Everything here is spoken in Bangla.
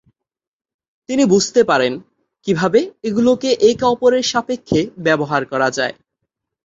তিনি বুঝতে পারেন কীভাবে এগুলিকে একে অপরের সাপেক্ষে ব্যবহার করা যায়।